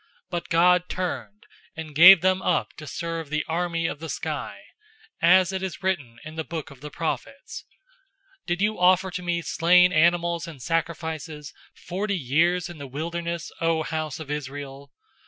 007:042 But God turned, and gave them up to serve the army of the sky, as it is written in the book of the prophets, 'Did you offer to me slain animals and sacrifices forty years in the wilderness, O house of Israel?